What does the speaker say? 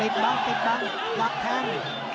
ติดบังติดบังหลักแทง